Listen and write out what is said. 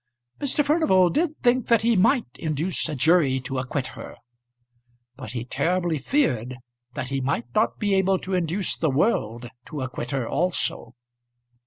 Mr. Furnival did think that he might induce a jury to acquit her; but he terribly feared that he might not be able to induce the world to acquit her also.